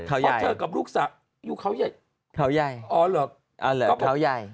เพราะเธอกับลูกสาวอยู่เขาใหญ่